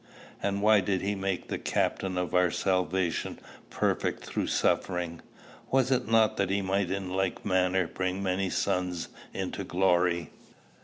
And why did he make the Captain of our salvation perfect through suffering? Was it not that he might in like manner bring many sons into glory?